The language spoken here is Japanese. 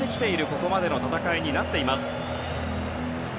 ここまでの戦いになっています。